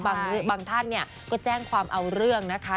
บางท่านเนี่ยก็แจ้งความเอาเรื่องนะคะ